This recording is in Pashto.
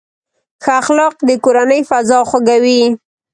ښه اخلاق د کورنۍ فضا خوږوي.